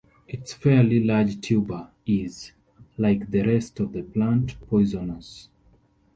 Its fairly large tuber is, like the rest of the plant, poisonous.